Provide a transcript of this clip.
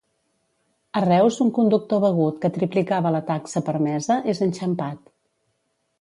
A Reus un conductor begut que triplicava la taxa permesa és enxampat.